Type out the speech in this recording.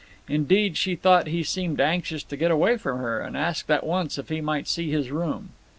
Indeed, she thought he seemed anxious to get away from her, and asked at once if he might see his room.